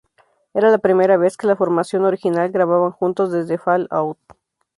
Era la primera vez que la formación original grababan juntos desde "Fall Out".